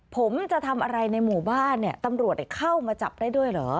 ผมจะทำอะไรในหมู่บ้านเนี่ยตำรวจเข้ามาจับได้ด้วยเหรอ